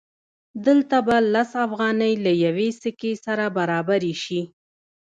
دلته به لس افغانۍ له یوې سکې سره برابرې شي